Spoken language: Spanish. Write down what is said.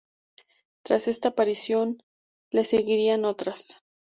Tras esta aparición le seguirían otras.